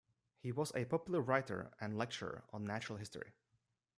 He was a popular writer and lecturer on natural history.